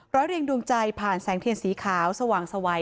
เรียงดวงใจผ่านแสงเทียนสีขาวสว่างสวัย